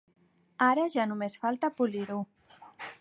Ara ja només falta polir-ho.